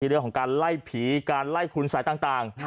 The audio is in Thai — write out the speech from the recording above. นี่เรียกเลยของการไล่ผีการไล่ขุนใสต่าง